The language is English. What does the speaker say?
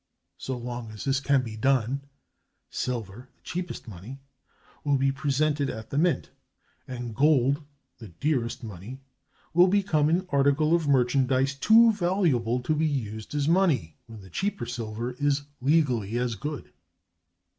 So long as this can be done, silver (the cheapest money) will be presented at the mint, and gold (the dearest money) will become an article of merchandise too valuable to be used as money when the cheaper silver is legally as good.